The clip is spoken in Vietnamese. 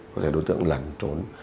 có thể đối tượng nằn trốn